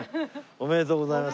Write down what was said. おめでとうございます！